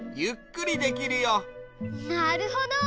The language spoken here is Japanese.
なるほど！